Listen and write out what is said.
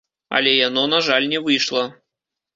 Але яно, на жаль, не выйшла.